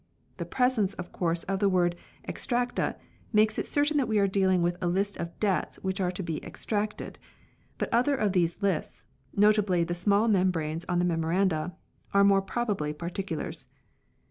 The presence, of course, of the word " Extracta" makes it certain that we are dealing with a list of debts which are to be exacted ; but other of these lists, notably the small membranes on the Memoranda, are more probably Particulars.